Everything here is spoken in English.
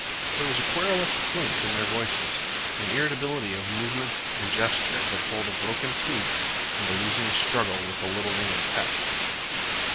There was a querulous plaint in their voices, an irritability of movement and gesture, that told of broken sleep and a losing struggle with the little winged pests.